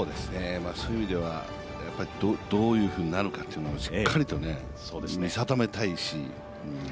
そういう意味ではどういうふうになるかというのをしっかりと見定めたいし。